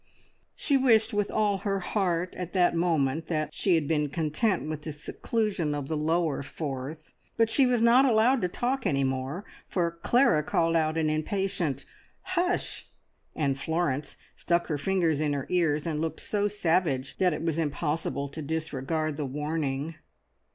She wished with all her heart at that moment that she had been content with the seclusion of the lower fourth; but she was not allowed to talk any more, for Clara called out an impatient "Hush!" and Florence stuck her fingers in her ears and looked so savage that it was impossible to disregard the warning.